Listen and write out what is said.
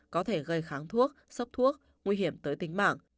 có thể gây kháng thuốc sốc thuốc nguy hiểm tới tính mạng